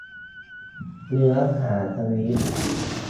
เนื้อหาทวีต